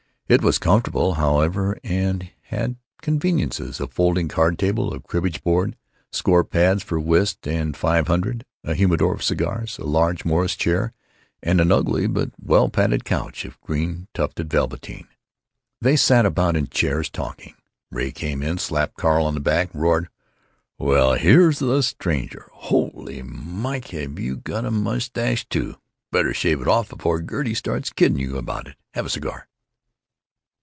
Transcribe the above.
It was comfortable, however, and had conveniences—a folding card table, a cribbage board, score pads for whist and five hundred; a humidor of cigars; a large Morris chair and an ugly but well padded couch of green tufted velvetine. They sat about in chairs, talking. Ray came in, slapped Carl on the back, roared: "Well, here's the stranger! Holy Mike! have you got a mustache, too? Better shave it off before Gert starts kidding you about it. Have a cigar?"